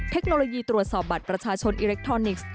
เทคโนโลยีตรวจสอบบัตรประชาชนอิเล็กทรอนิกส์